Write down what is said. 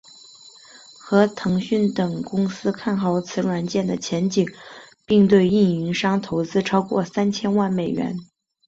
和腾讯等公司看好此软件的前景并对运营商投资超过三千万美元。